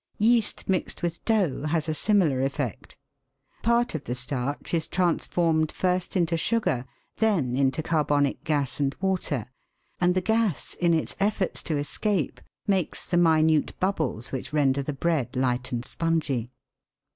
Yeast mixed with dough has a similar effect. Part of the starch is transformed first into sugar, then into carbonic gas and water, and the gas in its efforts to escape makes the minute bubbles which render the bread light and spongy.